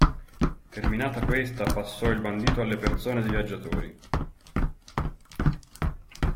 Terminata questa, passò il bandito alle persone de' viaggiatori.